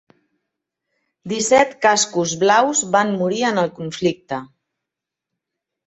Disset Cascos Blaus van morir en el conflicte.